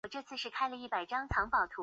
穿孔瘤胸蛛为皿蛛科瘤胸蛛属的动物。